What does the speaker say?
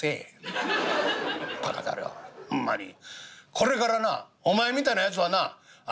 これからなお前みたいなヤツはなあ